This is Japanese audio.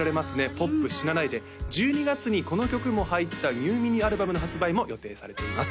「ポップしなないで」１２月にこの曲も入ったニューミニアルバムの発売も予定されています